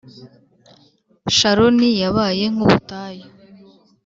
Sharoni yabaye nk ubutayu